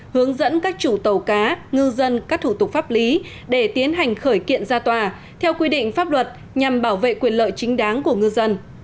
hướng dẫn các chủ tàu cá ngư dân các thủ tục pháp lý để tiến hành khởi kiện ra tòa theo quy định pháp luật nhằm bảo vệ quyền lợi chính đáng của ngư dân